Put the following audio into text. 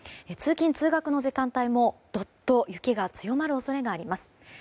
通勤・通学の時間帯も雪が強まる恐れがあります。